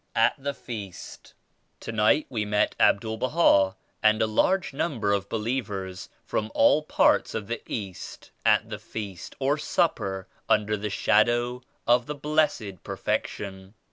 72 AT THE FEAST. Tonight we met Abdul Baha and a large number of believers from all parts of the East at the Feast or Supper, under the shadow of the Blessed Perfection.